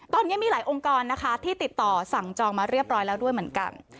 ตอนนี้มีหลายองค์กรนะคะที่ติดต่อสั่งจองมาเรียบร้อยแล้วด้วยเหมือนกัน